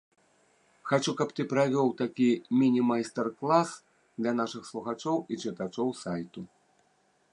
Хачу каб ты правёў такі міні-майстар клас для нашых слухачоў і чытачоў сайту.